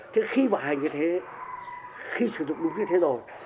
thế khi bảo hành như thế khi sử dụng đúng như thế rồi